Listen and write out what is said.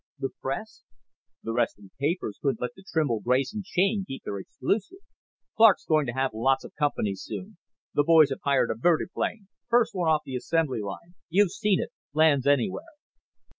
"The press?" "The rest of the papers couldn't let the Trimble Grayson chain keep their exclusive. Clark's going to have lots of company soon. The boys have hired a vertiplane. First one off the assembly line. You've seen it. Lands anywhere."